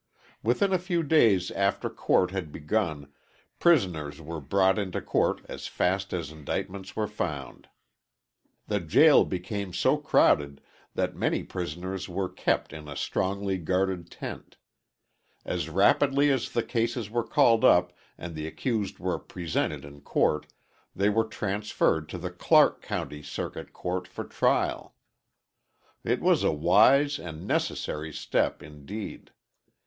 Within a few days after court had begun, prisoners were brought into court as fast as indictments were found. The jail became so crowded that many prisoners were kept in a strongly guarded tent. As rapidly as the cases were called up and the accused were presented in court, they were transferred to the Clark County Circuit Court for trial. It was a wise and necessary step indeed.